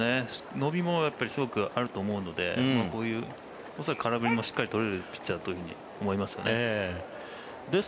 伸びもすごくあると思うので恐らく空振りもしっかり取れるピッチャーだと思います。